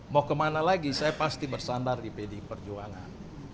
mau kemana lagi saya pasti bersandar di pdi perjuangan